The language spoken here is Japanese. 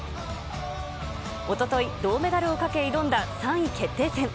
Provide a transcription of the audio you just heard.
おととい、銅メダルを懸け挑んだ３位決定戦。